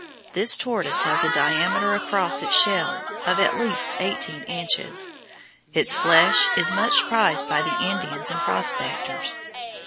This tortoise has a diameter across its shell of at least eighteen inches. Its flesh is much prized by the Indians and prospectors.